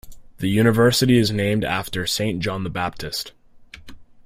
The university is named after Saint John the Baptist.